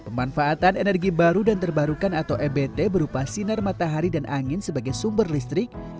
pemanfaatan energi baru dan terbarukan atau ebt berupa sinar matahari dan angin sebagai sumber listrik